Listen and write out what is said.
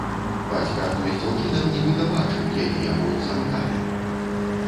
Бацька адной з дзяўчынак нібыта бачыў, яе яго замыкалі.